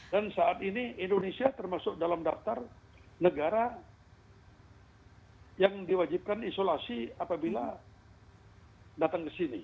dan saat ini indonesia termasuk dalam daftar negara yang diwajibkan isolasi apabila